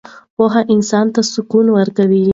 پوهه انسان ته سکون ورکوي.